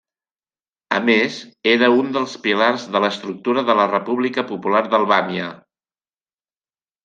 A més, era un dels pilars de l'estructura de la República Popular d'Albània.